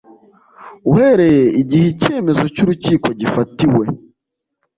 Uhereye igihe icyemezo cy urukiko gifatiwe